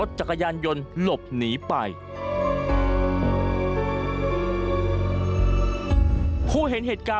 สวัสดีครับ